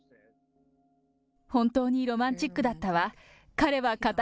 本当にロマンチックだったわ。